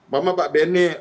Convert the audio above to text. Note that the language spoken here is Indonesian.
mama pak bene